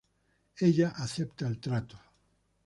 Ella acepta el trato.